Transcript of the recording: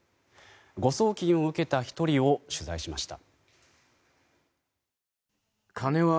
誤送金を受けた１人を取材しました。